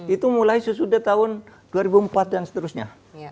itu mulai sesudah tahun dua ribu empat dan seterusnya